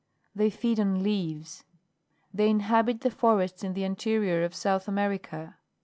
They feed on leaves. They inhabit the forests in the anterior of South America.